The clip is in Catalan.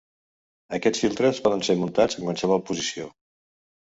Aquests filtres poden ser muntats en qualsevol posició.